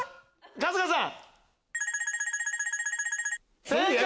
春日さん